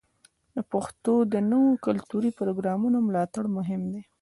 د پښتو د نویو کلتوري پروګرامونو ملاتړ مهم دی.